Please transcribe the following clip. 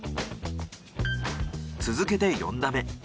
続けて４打目。